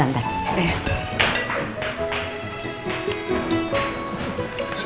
bukan anak kecil gak cemburu